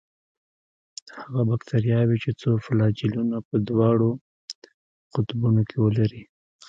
هغه باکتریاوې چې څو فلاجیلونه په دواړو قطبونو کې ولري.